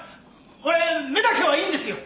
俺目だけはいいんですよ。